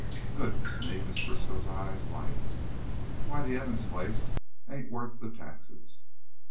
"Goodness me!" Ma Briskow's eyes widened. "Why, that Evans place ain't wuth the taxes."